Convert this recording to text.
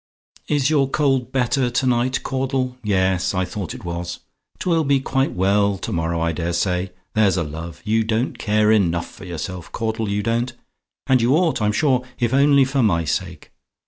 "Is your cold better to night, Caudle? Yes; I thought it was. 'Twill be quite well to morrow, I dare say. There's a love! You don't take care enough of yourself, Caudle, you don't. And you ought, I'm sure, if only for my sake.